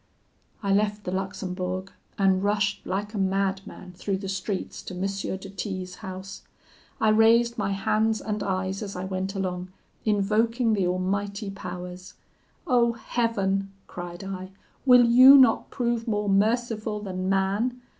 "I left the Luxembourg, and rushed like a madman through the streets to M. de T 's house. I raised my hands and eyes as I went along, invoking the Almighty Powers: 'O Heaven,' cried I, 'will you not prove more merciful than man!